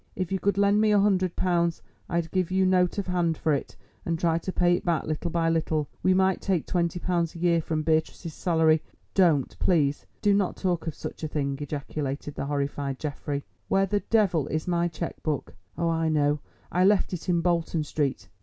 If you could lend me a hundred pounds I'd give you note of hand for it and try to pay it back little by little; we might take twenty pounds a year from Beatrice's salary——" "Don't, please—do not talk of such a thing!" ejaculated the horrified Geoffrey. "Where the devil is my cheque book? Oh, I know, I left it in Bolton Street.